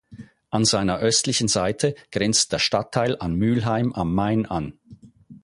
An seiner östlichen Seite grenzt der Stadtteil an Mühlheim am Main an.